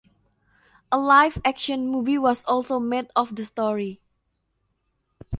A live-action movie was also made of the story.